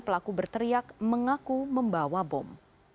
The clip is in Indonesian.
pelaku berteriak mengaku membawa bom